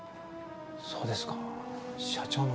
そうですか社長の。